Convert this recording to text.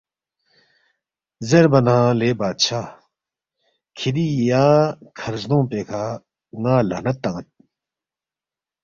زیربا نہ، ”لے بادشاہ کِھری یا کَھر زدونگ پیکھہ ن٘ا لعنت تان٘ید